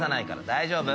大丈夫？